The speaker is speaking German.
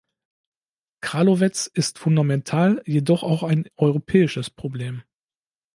Kralowetz ist fundamental jedoch auch ein europäisches Problem.